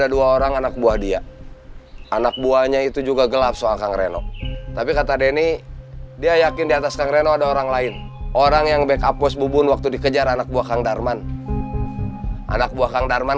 dia juga udah saya suruh